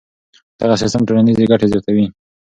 دغه سیستم ټولنیزې ګټې زیاتوي.